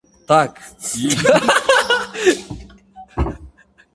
Так, Салюстий, Сапфо и Аристипп были распущенны до разврата.